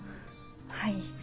はい。